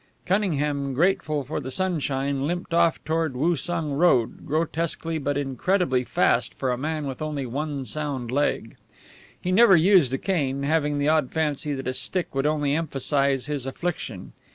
Cunningham, grateful for the sunshine, limped off toward Woosung Road, grotesquely but incredibly fast for a man with only one sound leg. He never used a cane, having the odd fancy that a stick would only emphasize his affliction.